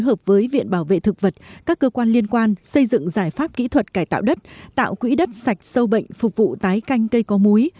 đồng thời tổ chức các cơ quan liên quan xây dựng giải pháp kỹ thuật cải tạo đất tạo quỹ đất sạch sâu bệnh phục vụ tái canh cây có múi